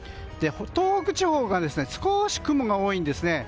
東北地方が少し雲が多いんですね。